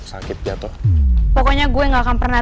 sampai jumpa di video selanjutnya